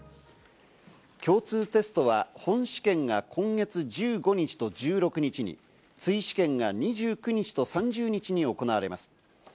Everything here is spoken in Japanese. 共通テストは本試験が今月１５日と１６日、追試験が２９日と３０日に行われます。